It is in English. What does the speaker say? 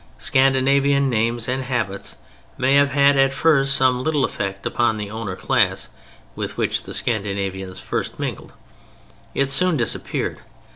Scandinavian names and habits may have had at first some little effect upon the owner class with which the Scandinavians first mingled; it soon disappeared.